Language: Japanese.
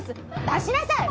出しなさい！